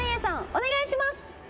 お願いします。